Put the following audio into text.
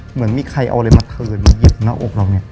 เหมือนมีใครเอาอะไรมาเผินเย็บตรงหน้าอกเรา